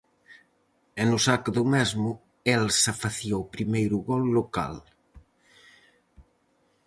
E no saque do mesmo Elsa facía o primeiro gol local.